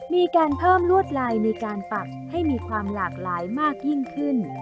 มีการเพิ่มลวดลายในการปักให้มีความหลากหลายมากยิ่งขึ้น